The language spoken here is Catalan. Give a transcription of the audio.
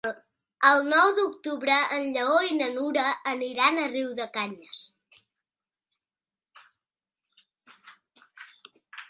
El nou d'octubre en Lleó i na Nura aniran a Riudecanyes.